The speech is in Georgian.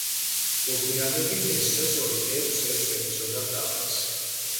მოგვიანებით ეს სეზონი ექვს-ექვს ეპიზოდად დაყვეს.